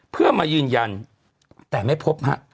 เพื่อมายืนยันแต่ไม่พบฮะ